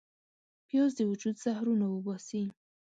پیاز د وجود زهرونه وباسي